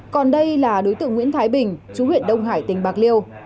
còn đây là đối tượng nguyễn thái bình chú huyện đông hải tỉnh bạc liêu